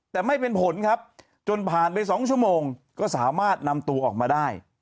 แต่ไม่เป็นผลครับจนผ่านไป๒ชั่วโมงก็สามารถนำตัวออกมาได้